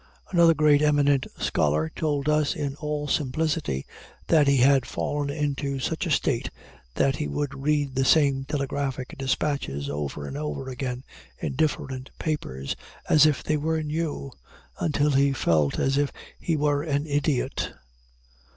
Another most eminent scholar told us in all simplicity that he had fallen into such a state that he would read the same telegraphic dispatches over and over again in different papers, as if they were new, until he felt as if he were an idiot.